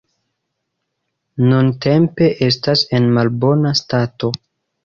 Nuntempe estas en malbona stato.